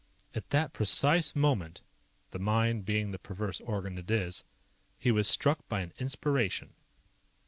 At that precise moment, the mind being the perverse organ it is, he was struck by an inspiration.